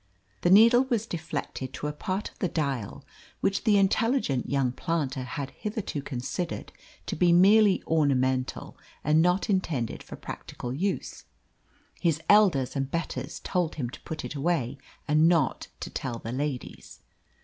The needle was deflected to a part of the dial which the intelligent young planter had hitherto considered to be merely ornamental and not intended for practical use. His elders and betters told him to put it away and not to tell the ladies.